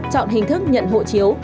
chọn hình thức nhận hộ chiếu